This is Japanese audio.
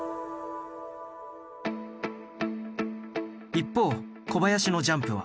一方小林のジャンプは。